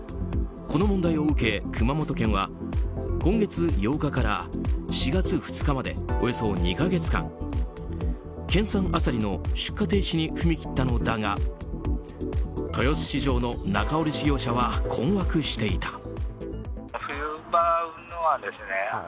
この問題を受け、熊本県は今月８日から４月２日までおよそ２か月間県産アサリの出荷停止に踏み切ったのだが豊洲市場の仲卸業者は困惑していた。